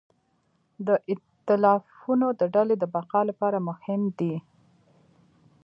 دا ایتلافونه د ډلې د بقا لپاره مهم دي.